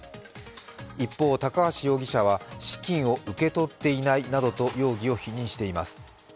一方、高橋容疑者は資金を受け取っていないなどと容疑を否認しています。